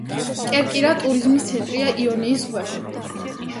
კერკირა ტურიზმის ცენტრია იონიის ზღვაში.